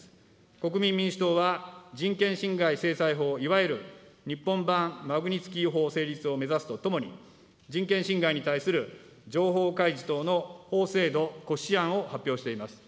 国民民主党は人権侵害制裁法、いわゆる日本版マグニツキー法成立を目指すとともに、人権侵害に対する情報開示等の法制度骨子案を発表しています。